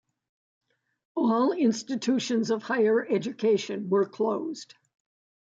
All institutions of higher education were closed.